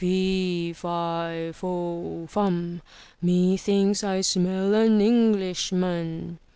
'Tee Fi Fo Fum, Methinks I smell an Englishman!'